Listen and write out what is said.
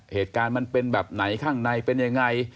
เหตุการณ์มันเป็นแบบไหนข้างในเป็นยังไง